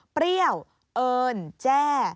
เปรี้ยวเอิญแจ้